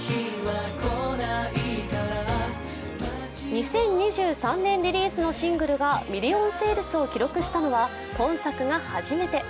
２０２３年リリースのシングルがミリオンセールスを記録したのは今作が初めて。